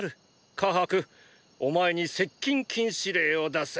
カハクお前に接近禁止令を出す。